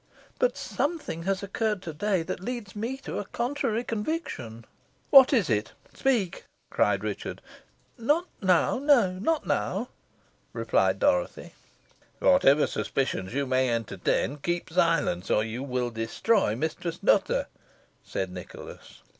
"But something has occurred to day that leads me to a contrary conviction." "What is it? Speak!" cried Richard. "Not now not now," replied Dorothy. "Whatever suspicions you may entertain, keep silence, or you will destroy Mistress Nutter," said Nicholas.